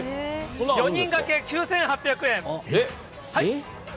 ４人掛け、９８００円。